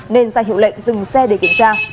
nên ra hiệu lệnh dừng xe để kiểm tra